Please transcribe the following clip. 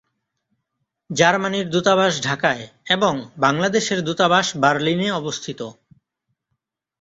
জার্মানির দূতাবাস ঢাকায়, এবং বাংলাদেশের দূতাবাস বার্লিনে অবস্থিত।